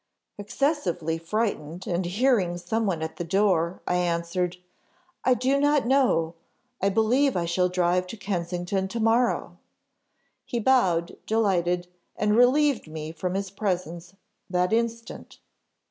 "Excessively frightened, and hearing some one at the door, I answered, 'I do not know, I believe I shall drive to Kensington to morrow.' He bowed delighted, and relieved me from his presence that instant.